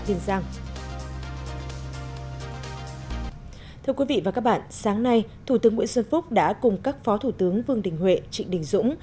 thưa quý vị và các bạn sáng nay thủ tướng nguyễn xuân phúc đã cùng các phó thủ tướng vương đình huệ trịnh đình dũng